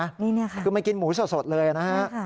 นี่นี่ค่ะคือไม่กินหมูสดเลยนะฮะค่ะ